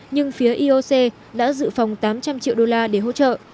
nhưng phía ioc đã dự phòng tám trăm linh triệu đô la để hỗ trợ